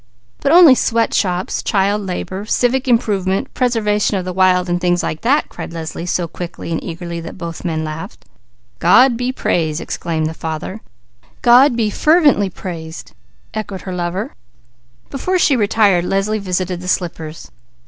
"But only sweat shops, child labour, civic improvement, preservation of the wild, and things like that!" cried Leslie so quickly and eagerly, that both men laughed. "God be praised!" exclaimed her father. "God be fervently praised!" echoed her lover. Before she retired Leslie visited the slippers.